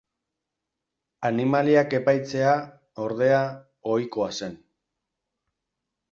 Animaliak epaitzea, ordea, ohikoa zen.